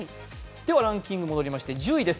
ランキングに戻りまして１０位です。